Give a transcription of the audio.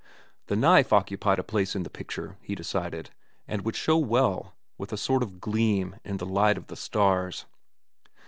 The knife occupied a place in the picture, he decided, and would show well, with a sort of gleam, in the light of the stars.